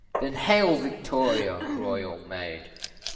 Then hail, Victoria, Royal Maid, &c.